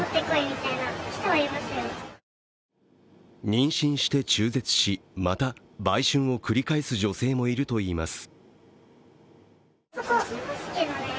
妊娠して中絶し、また売春を繰り返す女性もいるといいます。